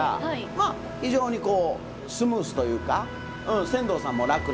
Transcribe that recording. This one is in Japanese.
まあ非常にこうスムーズというか船頭さんも楽なんですけど。